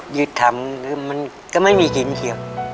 หยุดทำมันก็ไม่มีกลิ่นเฉียบ